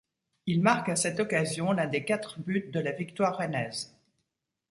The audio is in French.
Il marque à cette occasion l'un des quatre buts de la victoire rennaise.